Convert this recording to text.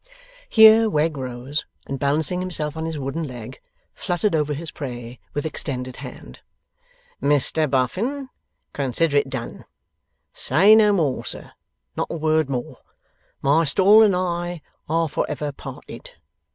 Here Wegg rose, and balancing himself on his wooden leg, fluttered over his prey with extended hand. 'Mr Boffin, consider it done. Say no more, sir, not a word more. My stall and I are for ever parted.